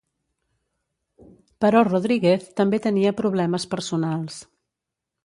Però Rodríguez també tenia problemes personals.